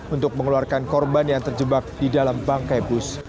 untuk mengeluarkan korban yang terjebak di dalam bangkai bus